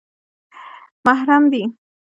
_محرم دي؟